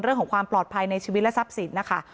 เรื่องของความปลอดภัยในชีวิตและทรัพย์สินนะคะ